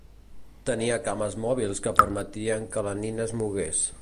Tenia cames mòbils que permetien que la nina es mogués.